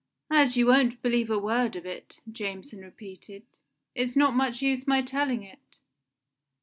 "As you won't believe a word of it," Jameson repeated, "it's not much use my telling it."